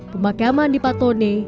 pemakaman di patone